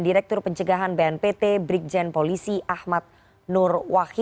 dengan nana di sini pak